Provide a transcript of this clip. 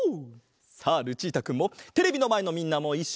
さあルチータくんもテレビのまえのみんなもいっしょに！